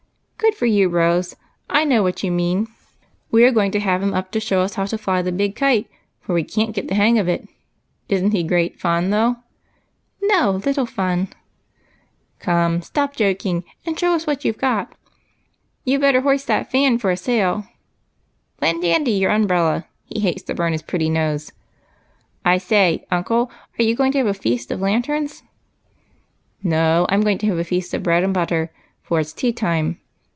" Good for you. Rose ! I know what you mean. We are going to have him uj) to show us how to fly the big kite, for we can't get the hang of it. Is n't he great fun, though?" " No, little Fun." " Come, stop joking, and show us what you 've got." A TRIP TO CHINA. 83 "You'd better hoist that fan for a sail." "Lend Dandy your umbrella; he hates to burn his pretty nose." " I say, uncle, are you going to have a Feast of Lanterns ?"" No, I 'm going to have a feast of bread and butter, for it 's tea time.